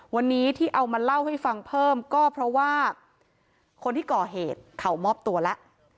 วันนี้ที่เอามาเล่าให้ฟังเพิ่มก็เพราะว่าคนที่ก่อเหตุเขามอบตัวแล้ว